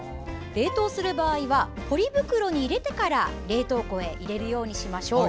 冷凍する場合はポリ袋に入れてから冷凍庫へ入れましょう。